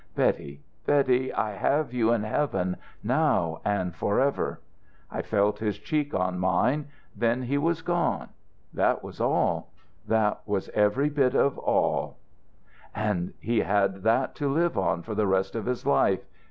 Betty, Betty, I have you in heaven now and forever!' ... I felt his cheek on mine. Then he was gone. That was all; that was every bit of all." "And he had that to live on for the rest of his life."